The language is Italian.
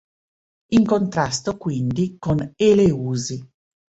In contrasto quindi con Eleusi.